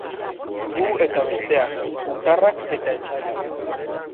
Gu eta besteak, gutarrak eta etsaiak.